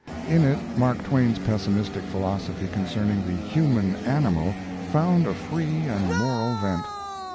In it Mark Twain's pessimistic philosophy concerning the "human animal" found a free and moral vent.